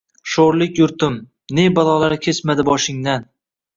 Sho’rlik yurtim! Ne balolar kechmadi boshingdan!